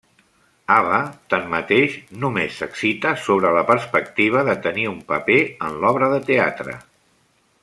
Ava, tanmateix, només s'excita sobre la perspectiva de tenir un paper en l'obra de teatre.